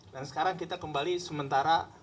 dan sekarang kita kembali sementara